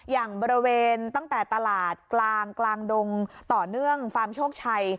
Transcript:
อย่างบริเวณตั้งแต่ตลาดกลางกลางดงต่อเนื่องฟาร์มโชคชัย